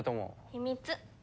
秘密。